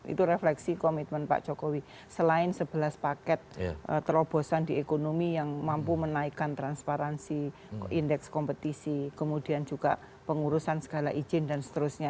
itu refleksi komitmen pak jokowi selain sebelas paket terobosan di ekonomi yang mampu menaikkan transparansi indeks kompetisi kemudian juga pengurusan segala izin dan seterusnya